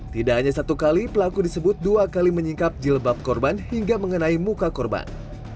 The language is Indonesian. tidak hanya satu kali pelaku disebut dua kali menyingkap jilbab korban hingga mengenai muka korban